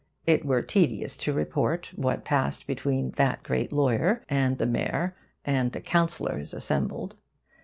It were tedious to report what passed between that great lawyer and the mayor and councillors assembled.